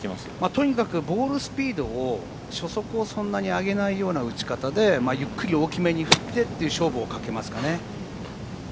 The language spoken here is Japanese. とにかくボールスピードを初速をそんなに上げない打ち方でゆっくり大きめに振って勝負をかけますかね。